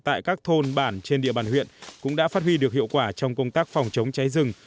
tại các thôn bản trên địa bàn huyện cũng đã phát huy được hiệu quả trong công tác phòng chống cháy rừng